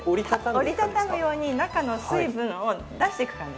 折り畳むように中の水分を出していく感じ。